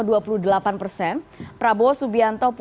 dan kemudian prabowo subianto